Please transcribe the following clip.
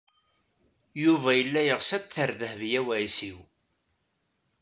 Yuba yella yeɣs ad t-ter Dehbiya u Ɛisiw.